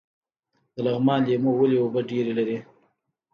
د لغمان لیمو ولې اوبه ډیرې لري؟